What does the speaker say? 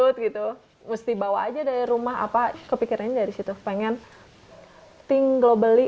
mesti bawa aja dari rumah apa kepikirannya dari situ pengen think globally